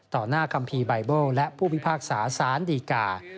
หน้าคัมภีร์ใบเบิลและผู้พิพากษาสารดีกา